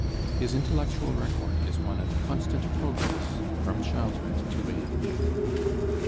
His intellectual record is one of constant progress, from childhood to age.